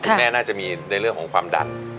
น่าจะมีในเรื่องของความดัน